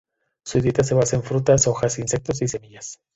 Su dieta se basa en frutas, hojas, insectos y semillas.